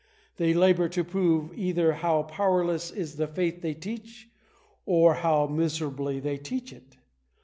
They labour to prove either how powerless is the faith they teach, or how miserably they teach it